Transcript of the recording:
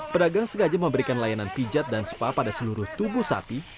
pedagang sengaja memberikan layanan pijat dan spa pada seluruh tubuh sapi